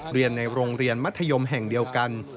เรียนในโรงเรียนมัธยมแห่งเดียวกัน